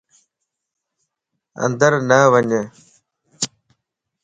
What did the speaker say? اندر نه وڃ